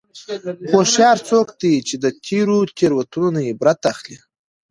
هوښیار څوک دی چې د تېرو تېروتنو نه عبرت اخلي.